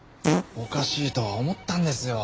おかしいとは思ったんですよ。